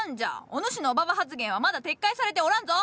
お主のオババ発言はまだ撤回されておらんぞ！